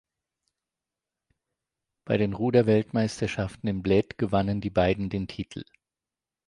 Bei den Ruder-Weltmeisterschaften in Bled gewannen die beiden den Titel.